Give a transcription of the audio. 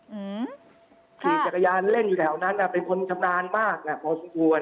อืมขี่จักรยานเล่นอยู่แถวนั้นอ่ะเป็นคนชำนาญมากน่ะพอสมควร